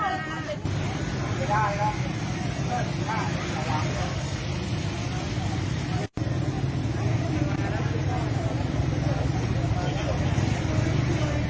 อันดับอันดับอันดับอันดับอันดับ